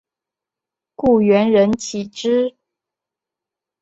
故园人岂知？